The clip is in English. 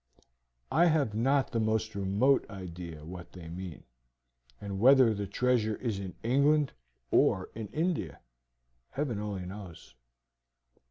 I have not the most remote idea what they mean, and whether the treasure is in England or in India, Heaven only knows."